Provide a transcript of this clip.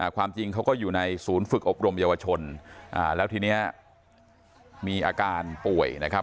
ความจริงเขาก็อยู่ในศูนย์ฝึกอบรมเยาวชนแล้วทีนี้มีอาการป่วยนะครับ